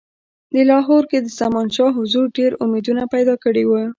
د لاهور کې د زمانشاه حضور ډېر امیدونه پیدا کړي وه.